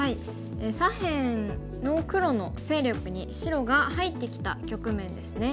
左辺の黒の勢力に白が入ってきた局面ですね。